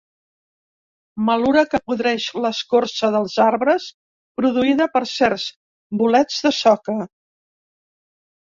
Malura que podreix l'escorça dels arbres, produïda per certs bolets de soca.